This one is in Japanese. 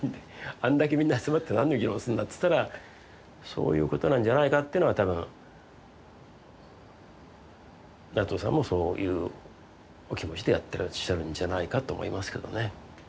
あんだけみんな集まって何の議論するんだっつったらそういうことなんじゃないかっていうのは多分内藤さんもそういうお気持ちでやってらっしゃるんじゃないかと思いますけどね。